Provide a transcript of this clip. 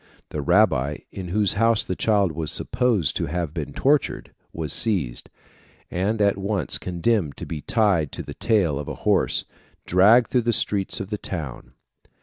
The rabbi, in whose house the child was supposed to have been tortured, was seized, and at once condemned to be tied to the tail of a horse, and dragged through the streets of the town.